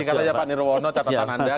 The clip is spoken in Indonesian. katanya pak nirwono catatan anda